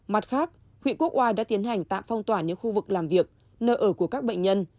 mặt khác huyện quốc oai đã tiến hành tạm phong tỏa những khu vực làm việc nơi ở của các bệnh nhân